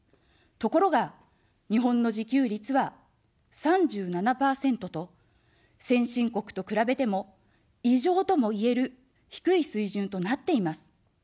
ところが、日本の自給率は３７％と、先進国と比べても、異常ともいえる低い水準となっています。